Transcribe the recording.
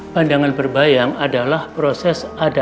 pandangan berbayang adalah perasaan yang berbeda